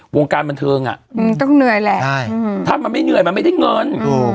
วงการบรรเทิงอะถ้ามันไม่เหนื่อยมันไม่ได้เงิน